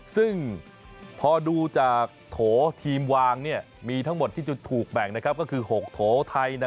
ซึ่งพอดูจากโถทีมวางเนี่ยมีทั้งหมดที่จะถูกแบ่งนะครับก็คือ๖โถไทยนะ